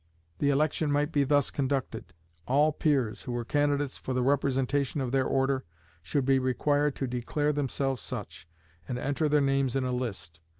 The election might be thus conducted: All peers who were candidates for the representation of their order should be required to declare themselves such, and enter their names in a list.